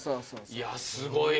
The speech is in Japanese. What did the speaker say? いやすごい！